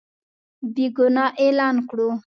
بېګناه اعلان کړو.